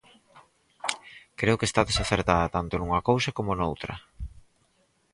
Creo que está desacertada tanto nunha cousa como noutra.